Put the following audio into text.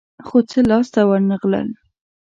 خو څه لاس ته ورنه غلل.